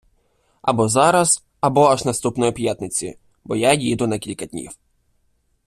Або зараз, або аж наступної п'ятниці, бо я їду на кілька днів.